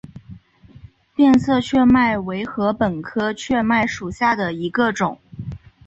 变色雀麦为禾本科雀麦属下的一个种。